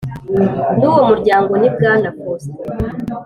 w uwo muryango ni Bwana Faustin